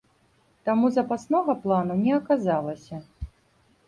Таму запаснога плану не аказалася.